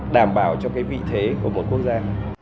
đảm bảo cho cái vị thế của một quốc gia